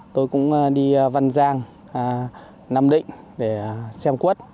tôi cũng đi văn giang nam định để xem cuốt